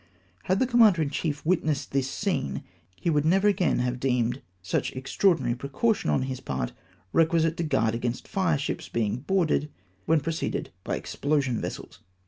Had the commander in chief witnessed this scene, he would never again have deemed such extraordinary precaution on his part requisite to guard against fire ships being boarded when preceded by explosion vessels.